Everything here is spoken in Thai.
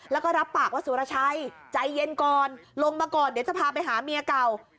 แล้วก็รับปากว่าสุรชัยใจเย็นก่อนลงมาก่อนเดี๋ยวจะพาไปหาเมียเก่า